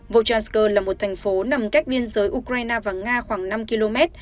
vochansker là một thành phố nằm cách biên giới ukraine và nga khoảng năm km